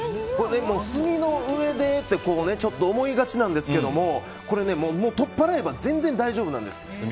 炭の上でって思いがちなんですけど取っ払えば全然大丈夫なんです。